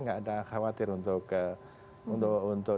tidak ada khawatir untuk